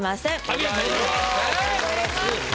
ありがとうございます！